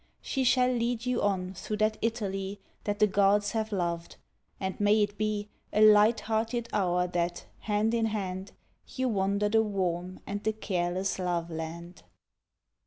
She shall lead you on through that Italy That the gods have loved; and may it be A light hearted hour that, hand in hand, You wander the warm and the careless love land.